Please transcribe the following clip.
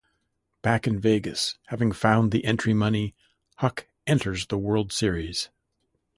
Back in Vegas, having found the entry money, Huck enters the World Series.